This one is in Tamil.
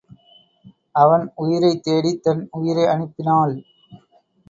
அவன் உயிரைத் தேடித் தன் உயிரை அனுப்பி– னாள்.